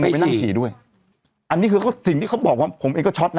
ไปฉี่ด้วยอันนี้คือเค้าสิ่งที่เค้าบอกว่าผมเองก็ชอตน่ะ